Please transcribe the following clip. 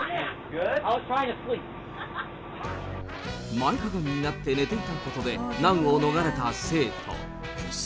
前かがみになって寝ていたことで、難を逃れた生徒。